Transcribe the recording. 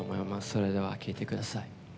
それでは、聴いてください。